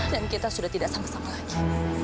dan kita sudah tidak sama sama lagi